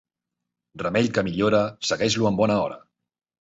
Remei que millora, segueix-lo en bona hora.